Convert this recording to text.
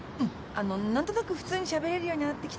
あの何となく普通にしゃべれるようになってきたかなって。